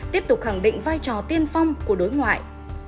tiếp tục khẳng định vai trò tiên phong của đối ngoại